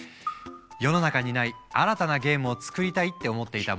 世の中にない新たなゲームを作りたいって思っていた